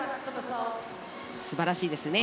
素晴らしいですね。